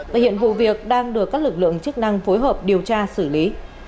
và hiện vụ việc đang được các lực lượng chức năng phối hợp điều tra xử lý